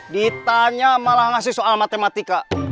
ditanya malah ngasih soal matematika